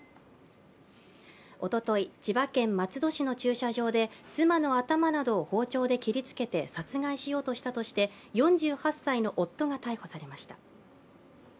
おととい、千葉県松戸市の駐車場で、妻の頭などを包丁で切りつけて殺害しようとしたとして４８歳の夫が逮捕されました。